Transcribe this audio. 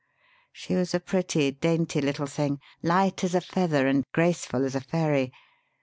She was a pretty, dainty little thing light as a feather and graceful as a fairy.